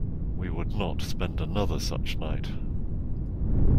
We would not spend another such night.